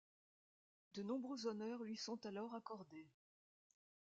De nombreux honneurs lui sont alors accordés.